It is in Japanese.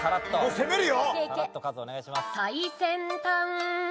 攻めるよ！